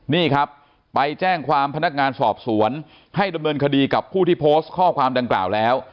นี่ครับไปแจ้งความพนักงานสอบสวนให้ดำเนินคดีกับผู้ที่โพสต์ข้อความดังกล่าวแล้ว